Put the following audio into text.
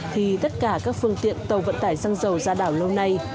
thì tất cả các phương tiện tàu vận tải xăng dầu ra đảo lâu nay